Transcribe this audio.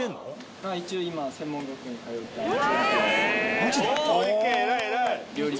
マジで？